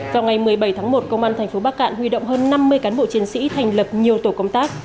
vào ngày một mươi bảy tháng một công an tp bắc cạn huy động hơn năm mươi cán bộ chiến sĩ thành lập nhiều tổ công tác